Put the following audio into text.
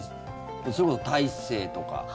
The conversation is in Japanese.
それこそ大勢とか。